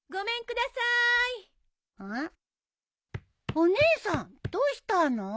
お姉さんどうしたの？